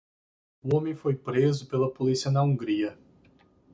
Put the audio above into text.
O homem foi preso pela polícia na Hungria.